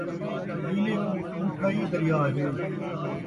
کویلی کوں ٹھوٹھا ءِی دریا ہے